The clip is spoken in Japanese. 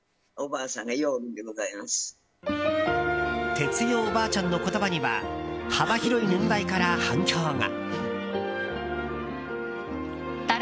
哲代おばあちゃんの言葉には幅広い年代から反響が。